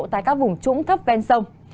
tại các vùng trũng thấp bên sông